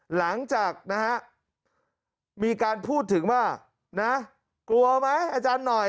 หลังจากนะฮะมีการพูดถึงว่านะกลัวไหมอาจารย์หน่อย